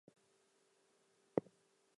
Weston Airport is nearby.